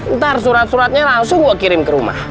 ntar surat suratnya langsung gue kirim ke rumah